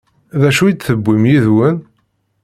D acu i d-tewwim yid-wen?